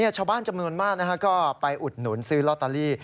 ชาวบ้านจำนวนมากก็ไปอุดหนุนซื้อลอตเตอรี่